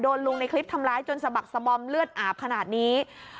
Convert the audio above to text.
ลุงในคลิปทำร้ายจนสะบักสบอมเลือดอาบขนาดนี้